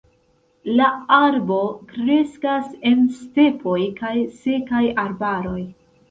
La arbo kreskas en stepoj kaj sekaj arbaroj.